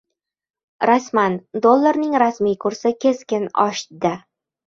Rasman! Dollarning rasmiy kursi keskin oshdi